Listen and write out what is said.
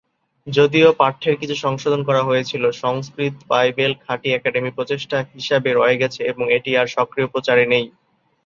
যদিও পাঠ্যের কিছু সংশোধন করা হয়েছিল, সংস্কৃত বাইবেল খাঁটি একাডেমিক প্রচেষ্টা হিসাবে রয়ে গেছে এবং এটি আর সক্রিয় প্রচারে নেই।